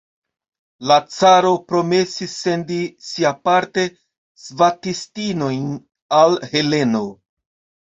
La caro promesis sendi siaparte svatistinojn al Heleno.